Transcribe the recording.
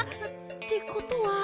ってことは。